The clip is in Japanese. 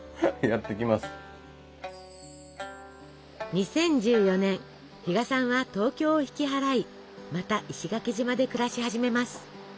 ２０１４年比嘉さんは東京を引き払いまた石垣島で暮らし始めます。